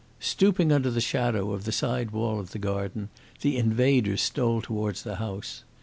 Stooping under the shadow of the side wall of the garden, the invaders stole towards the house.